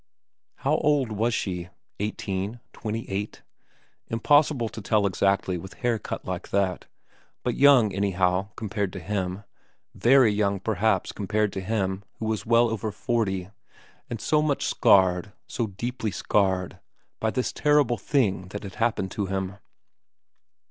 How old was she ? Eighteen ? Twenty eight ? Impossible to tell exactly with hair cut like that, but young anyhow compared to him ; very young perhaps compared to him who was well over forty, and so much scarred, so deeply scarred, by this terrible thing that had happened to him.